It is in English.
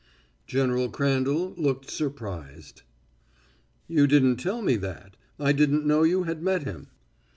General Crandall looked his surprise. "You didn't tell me that. I didn't know you had met him."